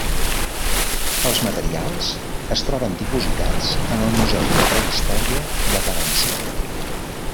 Els materials es troben dipositats en el Museu de Prehistòria de València.